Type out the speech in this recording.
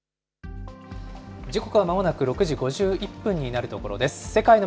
時刻はまもなく６時５１分になるところです。